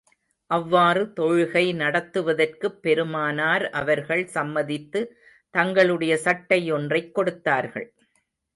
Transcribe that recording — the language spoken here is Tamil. அவ்வாறு தொழுகை நடத்துவதற்குப் பெருமானார் அவர்கள் சம்மதித்து, தங்களுடைய சட்டை ஒன்றைக் கொடுத்தார்கள்.